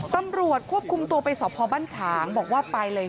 ตำรวจควบคุมตัวไปสอบพอบ้านฉางบอกว่าไปเลย